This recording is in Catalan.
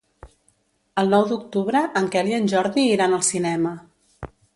El nou d'octubre en Quel i en Jordi iran al cinema.